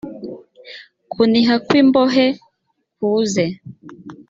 kuniha kw imbohe kuze